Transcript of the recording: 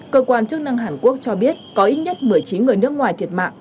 cơ quan chức năng hàn quốc cho biết có ít nhất một mươi chín người nước ngoài thiệt mạng